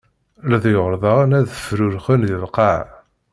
Leḍyur daɣen ad fṛuṛxen di lqaɛa.